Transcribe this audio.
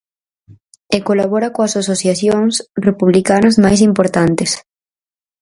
E colabora coas asociacións republicanas máis importantes.